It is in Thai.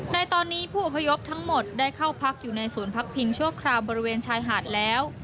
ในตอนนี้ผู้อพยพทั้งหมดได้เข้าพักอยู่ในศูนย์พักพิงชั่วคราวบริเวณชายหาดแล้ว